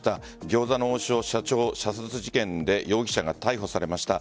餃子の王将社長射殺事件で容疑者が逮捕されました。